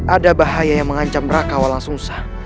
ada bahaya yang mengancam rakawal yang susah